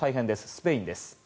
スペインです。